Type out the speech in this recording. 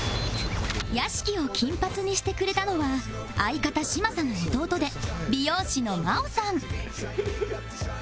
屋敷を金髪にしてくれたのは相方嶋佐の弟で美容師の昌大さん